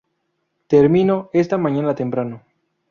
Terminó esta mañana temprano.